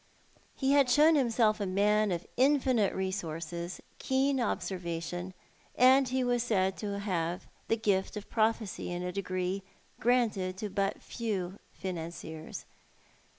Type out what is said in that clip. He had shown himself a man of infinite resources, keen observation, and he was said to have had the gift of prophecy in a degree granted to but few financiers.